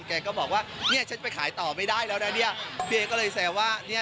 แกก็บอกว่าเนี่ยฉันไปขายต่อไม่ได้แล้วนะเนี่ยเฮียก็เลยแซวว่าเนี่ย